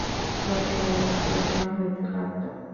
প্রশ্নের উপর প্রশ্ন হইতে লাগিল।